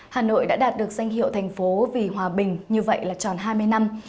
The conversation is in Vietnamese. hà nội đã đạt được danh hiệu thành phố vì hòa bình như vậy là tròn hai mươi năm